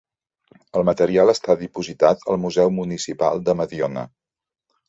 El material està dipositat al museu municipal de Mediona.